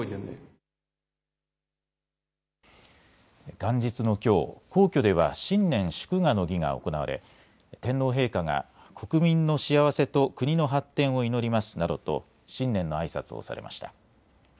元日のきょう、皇居では新年祝賀の儀が行われ天皇陛下が国民の幸せと国の発展を祈りますなどと新年のあいさつをされました。